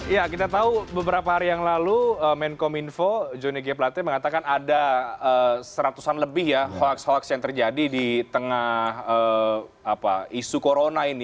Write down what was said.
ya kita tau beberapa hari yang lalu menkom info johnny gia platte mengatakan ada seratusan lebih ya hoaks hoaks yang terjadi di tengah isu corona ini